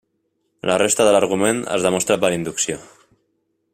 La resta de l'argument es demostra per inducció.